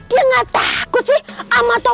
harus pas varian kasar